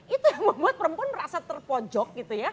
itu yang membuat perempuan merasa terpojok gitu ya